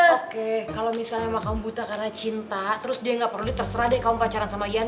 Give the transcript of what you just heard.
oke kalau misalnya sama kamu buta karena cinta terus dia gak perlu deh terserah deh kamu pacaran sama ian